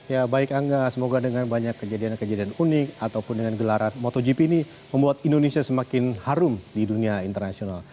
ya baik angga semoga dengan banyak kejadian kejadian unik ataupun dengan gelaran motogp ini membuat indonesia semakin harum di dunia internasional